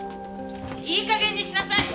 いい加減にしなさいよ！